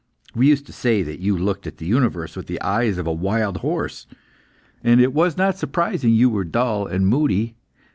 We used to say that you looked at the universe with the eyes of a wild horse, and it was not surprising you were dull and moody.